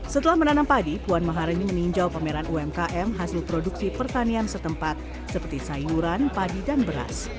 setelah menanam padi puan maharani meninjau pameran umkm hasil produksi pertanian setempat seperti sayuran padi dan beras